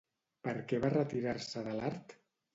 Per què va retirar-se de l'art?